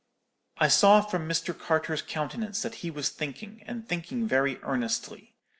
"I saw from Mr. Carter's countenance that he was thinking, and thinking very earnestly.